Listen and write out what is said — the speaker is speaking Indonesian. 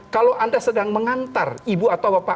kalau anda sedang mengantar ibu atau bapak